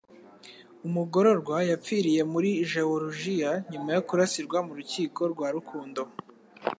Umugororwa yapfiriye muri Jeworujiya nyuma yo kurasirwa mu rukiko rwa Rukundo